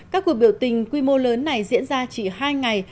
các cuộc biểu tình quy mô lớn này diễn ra chỉ hai ngày